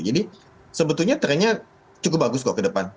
jadi sebetulnya trennya cukup bagus kok ke depan